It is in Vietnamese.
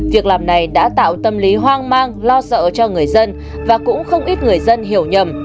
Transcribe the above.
việc làm này đã tạo tâm lý hoang mang lo sợ cho người dân và cũng không ít người dân hiểu nhầm